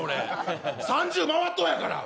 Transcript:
３０回ってるんやから。